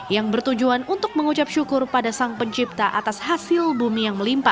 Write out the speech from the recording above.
yang bertujuan untuk mengucap syukur pada sang pencipta atas hasil bumi yang melimpa